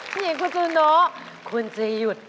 ผู้หญิงคุณจูโน้คุณจะหยุด